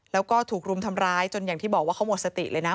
แล้วก็ถูกรุมทำร้ายจนอย่างที่บอกว่าเขาหมดสติเลยนะ